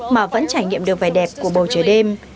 mà vẫn trải nghiệm được vẻ đẹp của bầu trời đêm